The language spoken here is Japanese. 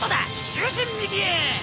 重心右へ。